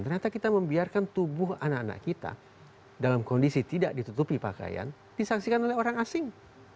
ternyata kita membiarkan tubuh anak anak kita dalam kondisi tidak ditutupi pakaian disaksikan oleh orang asing